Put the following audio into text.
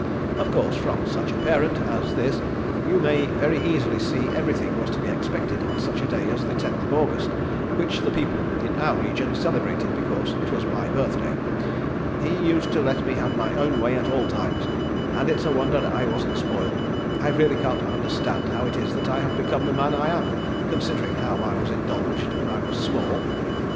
"Of course from such a parent as this you may very easily see everything was to be expected on such a day as the Tenth of August which the people in our region celebrated because it was my birthday. He used to let me have my own way at all times, and it's a wonder I wasn't spoiled. I really can't understand how it is that I have become the man I am, considering how I was indulged when I was small.